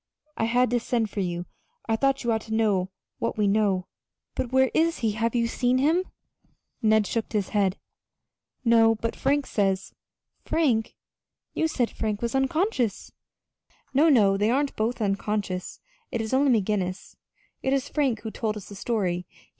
I had to send for you I thought you ought to know what we know." "But where is he? Have you seen him?" Ned shook his head. "No; but Frank says " "Frank! But you said Frank was unconscious!" "No, no they aren't both unconscious it is only McGinnis. It is Frank who told us the story.